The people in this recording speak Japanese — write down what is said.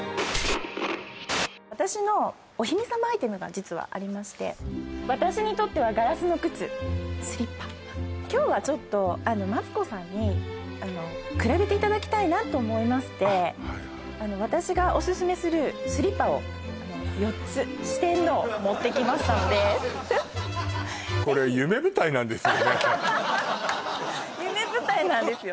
私のお姫様アイテムが実はありまして今日はちょっとマツコさんに比べていただきたいなと思いまして私がオススメするスリッパを４つ四天王持ってきましたのでぜひ夢舞台なんですよ夢舞台なんです